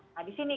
nah di sini